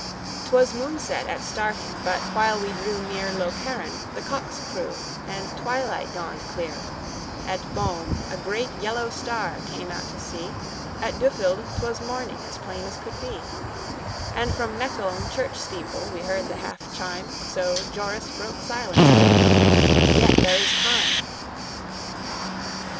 'Twas moonset at starting; but while we drew near Lokeren, the cocks crew and twilight dawned clear; At Boom, a great yellow star came out to see; At Düffeld, 'twas morning as plain as could be; And from Mecheln church steeple we heard the half chime, So Joris broke silence with, "Yet there is time!"